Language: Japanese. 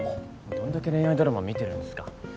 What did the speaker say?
どんだけ恋愛ドラマ見てるんですか。